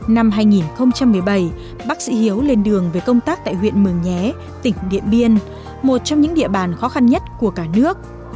năm hai nghìn một mươi bảy bác sĩ hiếu lên đường về công tác tại huyện mường nhé tỉnh điện biên một trong những địa bàn khó khăn nhất của cả nước